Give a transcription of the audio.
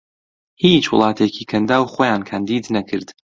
هیچ وڵاتێکی کەنداو خۆیان کاندید نەکرد